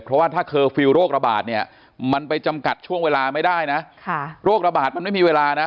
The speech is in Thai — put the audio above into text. เพราะว่าถ้าเคอร์ฟิลล์โรคระบาดเนี่ยมันไปจำกัดช่วงเวลาไม่ได้นะโรคระบาดมันไม่มีเวลานะ